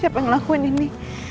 siapa yang ngelakuin ini